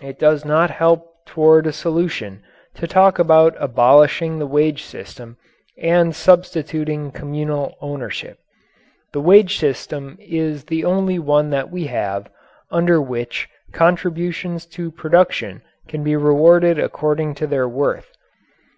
It does not help toward a solution to talk about abolishing the wage system and substituting communal ownership. The wage system is the only one that we have, under which contributions to production can be rewarded according to their worth.